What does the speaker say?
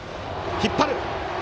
引っ張る！